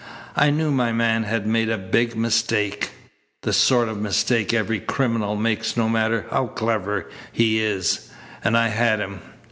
I knew my man had made a big mistake the sort of mistake every criminal makes no matter how clever he is and I had him.